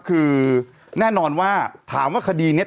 คือแน่นอนว่าถามว่าคดีนี้